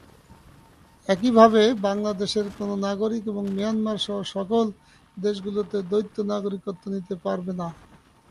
একইভাবে বাংলাদেশের কোনো নাগরিকও মিয়ানমারসহ সার্কভুক্ত দেশগুলোতে দ্বৈত নাগরিকত্ব নিতে পারবেন না।